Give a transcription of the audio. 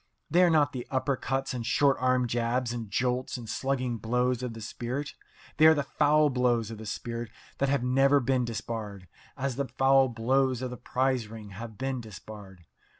They are not the upper cuts and short arm jabs and jolts and slugging blows of the spirit. They are the foul blows of the spirit that have never been disbarred, as the foul blows of the prize ring have been disbarred.